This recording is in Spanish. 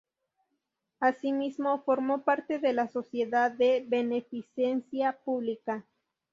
Asimismo, formó parte de la Sociedad de Beneficencia Pública.